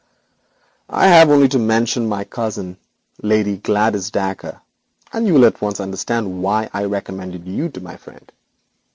'I need only mention my cousin, Lady Gladys Dacre, and you will at once understand why I recommended you to my friend.